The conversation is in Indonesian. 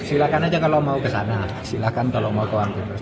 silakan saja kalau mau ke sana silakan kalau mau ke one team pres